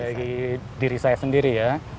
bagi diri saya sendiri ya